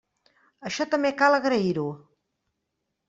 Això també cal agrair-ho.